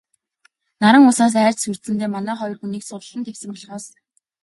Наран улсаас айж сүрдсэндээ манай хоёр хүнийг суллан тавьсан болохоос...